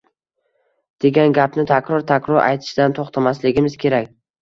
degan gapni takror-takror aytishdan to‘xtamasligimiz kerak.